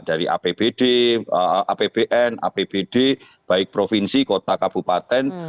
dari apbd apbn apbd baik provinsi kota kabupaten